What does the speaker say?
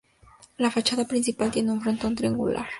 La fachada principal tiene un frontón triangular.